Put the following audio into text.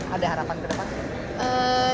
ada harapan ke depan